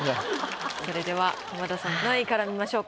それでは浜田さん何位から見ましょうか？